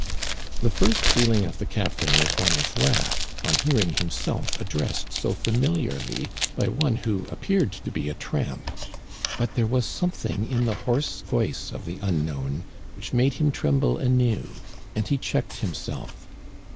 The first feeling of the captain was one of wrath on hearing himself addressed so familiarly by one who ap peared to be a tramp ; but there was something in the hoarse voice of the unknown which made him tremble anew, and he checked himself.